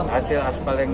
hasil asfal yang